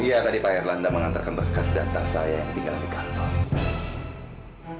iya tadi pak erlanda mengantarkan berkas data saya yang ketinggalan di kantor